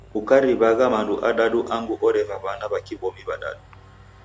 Ukariw'agha mando adadu angu oreva w'ana w'a kiw'omi w'adadu.